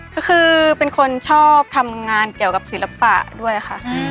ก็คือเป็นคนชอบทำงานเกี่ยวกับศิลปะด้วยค่ะ